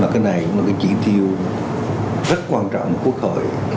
cái này cũng là cái chỉ tiêu rất quan trọng của quốc hội